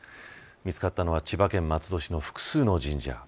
見つかったのは千葉県松戸市の複数の神社